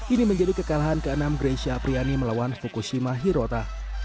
ini menjadi kekalahan ke enam greysia apriani melawan fukushima hirota